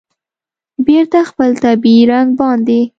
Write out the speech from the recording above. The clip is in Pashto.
بېرته خپل طبیعي رنګ باندې